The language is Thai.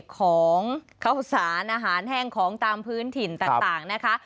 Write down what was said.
ของข้าวสารอาหารแห้งของตามพื้นถิ่นต่างนะคะ